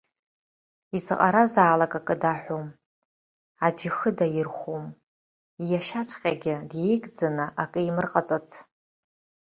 Изаҟаразаалак акы даҳәом, аӡәы ихы даирхәом, иашьаҵәҟьагьы диеигӡаны акы иимырҟаҵац.